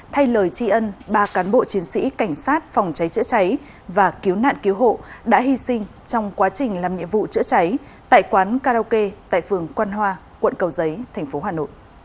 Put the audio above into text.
thay lời tri ân ba cán bộ chiến sĩ cảnh sát phòng cháy chữa cháy và cứu nạn cứu hộ đã hy sinh trong quá trình làm nhiệm vụ chữa cháy tại quán karaoke tại phường quăn hoa quận cầu giấy tp hcm